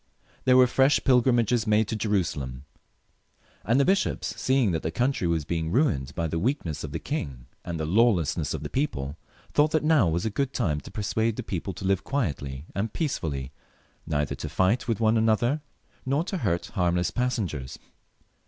There were fresh pilgrimages made to Jerusalem, and the bishops, seeing that the country was being ruined by the weakness of the king and the lawlessness of the people, thought that now was a good time to persuade the people to live quietly and peacefully, neither to fight with one another, nor to hurt harmless passengers.